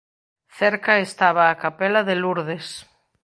Cerca estaba a capela de Lourdes.